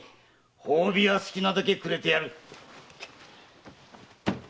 褒美は好きなだけくれてやる。